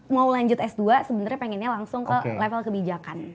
mau lanjut s dua sebenarnya pengennya langsung ke level kebijakan